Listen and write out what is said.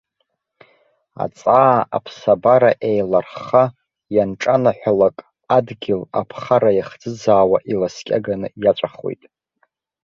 Аҵаа аԥсабара еилархха ианҿанаҳәалак, адгьыл, аԥхара иахӡыӡаауа иласкьаганы иаҵәахуеит.